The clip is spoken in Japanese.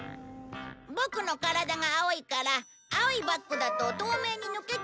ボクの体が青いから青いバックだと透明に抜けちゃうんだよ。